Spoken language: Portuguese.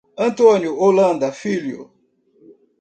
Antônio Holanda Filho